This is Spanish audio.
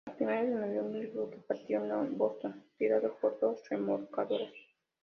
A primeros de noviembre el buque partió de Boston tirado por dos remolcadores.